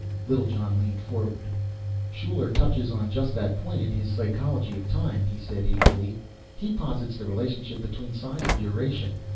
Littlejohn leaned forward. "Schuyler touches on just that point in his Psychology of Time," he said, eagerly. "He posits the relationship between size and duration.